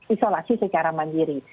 isolasi secara mandiri